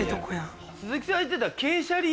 鈴木さんが言ってた。